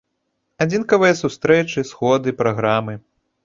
Адзінкавыя сустрэчы, сходы, праграмы.